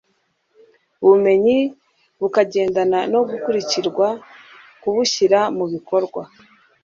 bumenyi bukagendana no guhugurirwa kubushyira mu bikorwa.